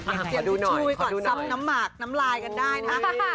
เตรียมทิชชูไปก่อนซ้ำน้ำหมากน้ำลายกันได้นะครับ